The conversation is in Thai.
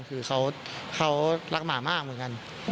คือเขารักหมามากเหมือนกัน